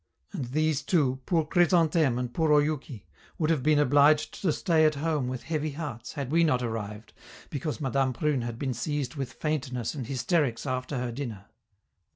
And these two, poor Chrysantheme and poor Oyouki, would have been obliged to stay at home with heavy hearts, had we not arrived, because Madame Prune had been seized with faintness and hysterics after her dinner."